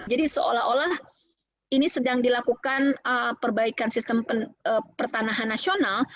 jadi seolah olah ini sedang dilakukan perbaikan sistem pertanahan nasional